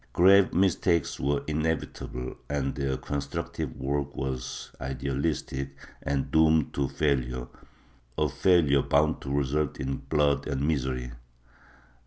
Grave mistakes were inevitable and their constmctive work was idealistic and doomed to failure— a failure bound to result in blood and misery.